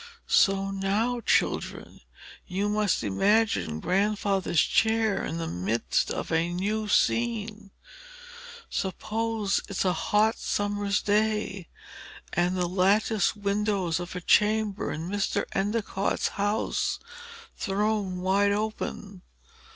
So now, children, you must imagine Grandfather's chair in the midst of a new scene. Suppose it a hot summer's day, and the lattice windows of a chamber in Mr. Endicott's house thrown wide open.